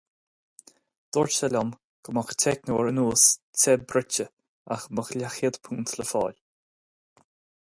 Dúirt sé liom go mbeadh teicneoir anuas te bruite ach a mbeadh leathchéad punt le fáil.